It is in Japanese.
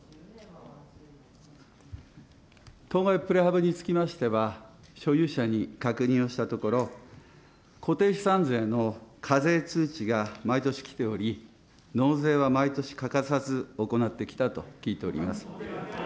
当該プレハブにつきましては、所有者に確認をしたところ、固定資産税の課税通知が毎年来ており、納税は毎年欠かさず行ってきたと聞いております。